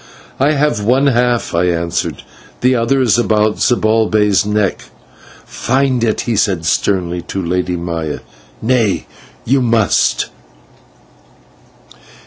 "I have one half," I answered, "the other is about Zibalbay's neck." "Find it," he said, sternly, to the Lady Maya. "Nay, you must!"